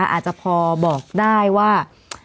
อาจจะพอบอกได้ว่า